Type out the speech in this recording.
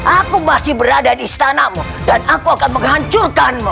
aku masih berada di istanamu dan aku akan menghancurkanmu